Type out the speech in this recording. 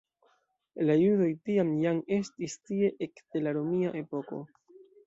La judoj tiam jam estis tie ekde la romia epoko.